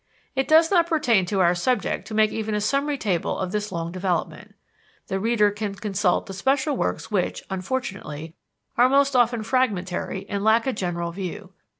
It does not pertain to our subject to make even a summary table of this long development. The reader can consult the special works which, unfortunately, are most often fragmentary and lack a general view.